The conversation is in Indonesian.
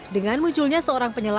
dengan munculnya seorang penjualan